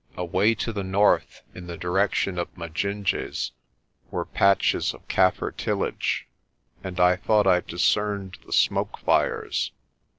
Away to the north in the direction of Majinje's were patches of Kaffir tillage, and I thought I discerned the smoke fires.